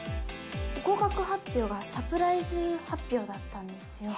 合格発表がサプライズ発表だったんですよ。